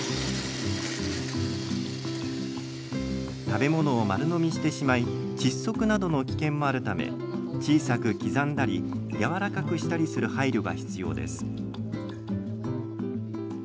食べ物を丸飲みしてしまい窒息などの危険もあるため小さく刻んだりやわらかくしたりする配慮が必要です。